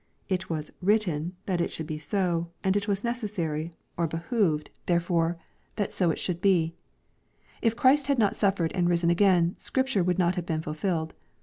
'' It was written" that it should be so, and it was necessary, or " beho' 522 EXPOSITORY THOUGHTa ved" therefore that so it should be. If Christ had not «uifered and risen again, Scripture would not have been fulfilled.